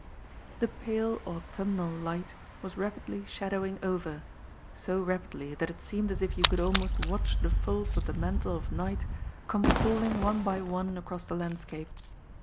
The pale autumnal light was rapidly shadowing over, so rapidly that it seemed as if you could almost watch the folds of the mantle of night come falling one by one across the landscape.